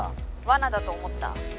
わなだと思った？